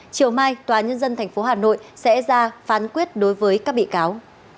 chiều mai tòa nhân dân tp hà nội sẽ ra phán quyết đối với các bị cáo